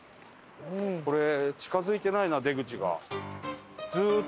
これ近付いてないな出口が。